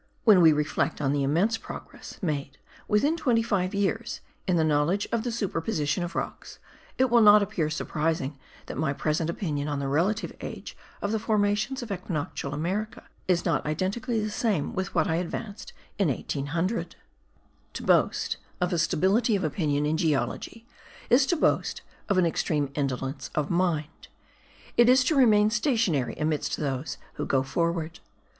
When we reflect on the immense progress made within twenty five years in the knowledge of the superposition of rocks, it will not appear surprising that my present opinion on the relative age of the formations of Equinoctial America is not identically the same with what I advanced in 1800. To boast of a stability of opinion in geology is to boast of an extreme indolence of mind; it is to remain stationary amidst those who go forward.